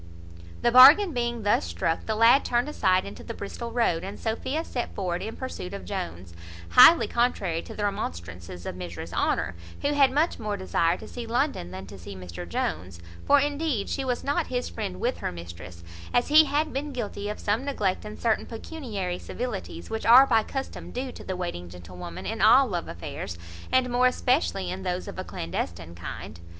The bargain being thus struck, the lad turned aside into the Bristol road, and Sophia set forward in pursuit of Jones, highly contrary to the remonstrances of Mrs Honour, who had much more desire to see London than to see Mr Jones: for indeed she was not his friend with her mistress, as he had been guilty of some neglect in certain pecuniary civilities, which are by custom due to the waiting gentlewoman in all love affairs, and more especially in those of a clandestine kind.